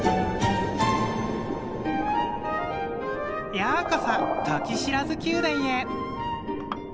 ようこそトキシラズ宮殿へ！